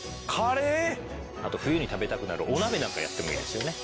あと冬に食べたくなるお鍋なんかやってもいいですよね。